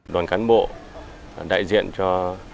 đoàn cán bộ đại diện cho